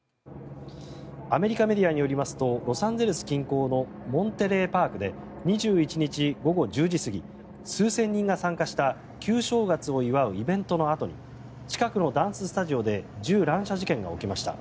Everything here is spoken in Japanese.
アメリカメディアによりますとロサンゼルス近郊のモンテレーパークで２１日午後１０時過ぎ数千人が参加した旧正月を祝うイベントのあとに近くのダンススタジオで銃乱射事件が起きました。